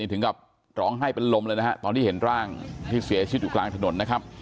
ถึงล้องให้เป็นลมเลยตอนที่เห็นร่างที่เสียชิ้นอยู่กลางถนน